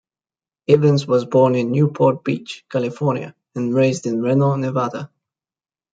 Ivens was born in Newport Beach, California and raised in Reno, Nevada.